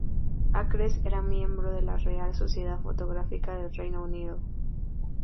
Acres era miembro de la Real Sociedad Fotográfica del Reino Unido.